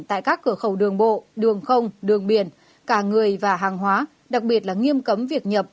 tại các cửa khẩu đường bộ đường không đường biển cả người và hàng hóa đặc biệt là nghiêm cấm việc nhập